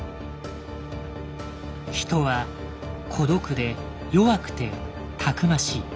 人は孤独で弱くて逞しい。